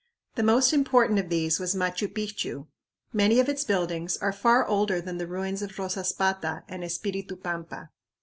The most important of these was Machu Picchu. Many of its buildings are far older than the ruins of Rosaspata and Espiritu Pampa.